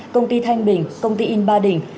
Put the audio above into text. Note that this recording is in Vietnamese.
công ty thanh bình công ty in ba đình